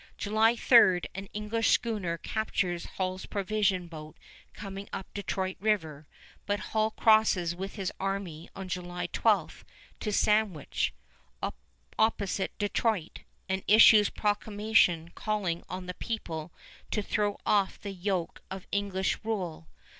July 3 an English schooner captures Hull's provision boat coming up Detroit River, but Hull crosses with his army on July 12 to Sandwich, opposite Detroit, and issues proclamation calling on the people to throw off the yoke of English rule.